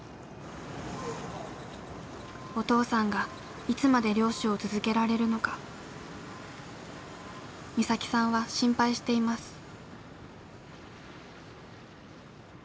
お父さんがいつまで漁師を続けられるのか岬さんは心配しています。